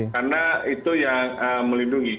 karena itu yang melindungi